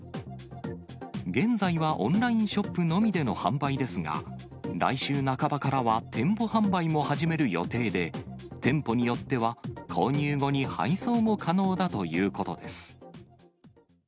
現在はオンラインショップのみでの販売ですが、来週半ばからは店舗販売も始める予定で、店舗によっては、購入後に配送も可能だということです。